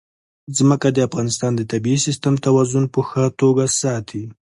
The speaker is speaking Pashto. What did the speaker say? ځمکه د افغانستان د طبعي سیسټم توازن په ښه توګه ساتي.